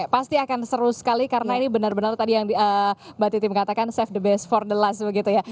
pasti akan seru sekali karena ini benar benar tadi yang mbak titi mengatakan safe the best for the last begitu ya